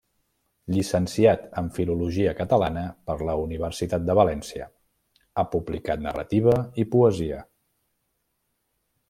Llicenciat en Filologia Catalana per la Universitat de València, ha publicat narrativa i poesia.